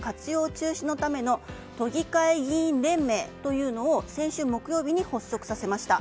中止のための都議会議員連盟というのを先週木曜日に発足させました。